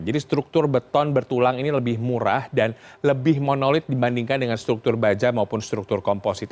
jadi struktur beton bertulang ini lebih murah dan lebih monolit dibandingkan dengan struktur baja maupun struktur komposit